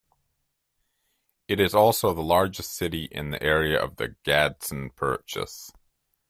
It is also the largest city in the area of the Gadsden Purchase.